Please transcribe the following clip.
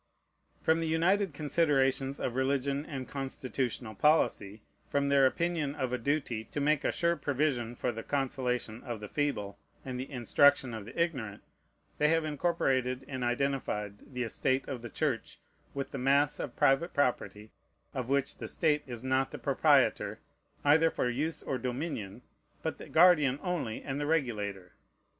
From the united considerations of religion and constitutional policy, from their opinion of a duty to make a sure provision for the consolation of the feeble and the instruction of the ignorant, they have incorporated and identified the estate of the Church with the mass of private property, of which the state is not the proprietor, either for use or dominion, but the guardian only and the regulator.